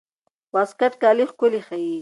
واسکټ کالي ښکلي ښيي.